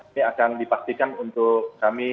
ini akan dipastikan untuk kami